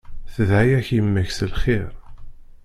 Tedɛa-yak yemma-k s lxir.